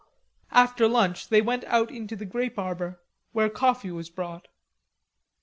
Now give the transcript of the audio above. After lunch they went out into the grape arbor, where coffee was brought.